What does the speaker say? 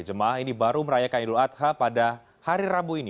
jemaah ini baru merayakan idul adha pada hari rabu ini